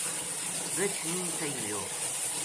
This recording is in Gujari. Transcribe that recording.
رچھ نیہہ سہی ہویو